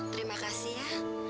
terima kasih ya